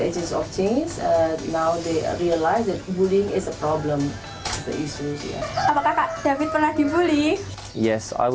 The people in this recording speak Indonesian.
sekarang setelah ada agen perubahan sekarang mereka mengerti bahwa bullying adalah masalah